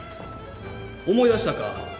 思い出したか？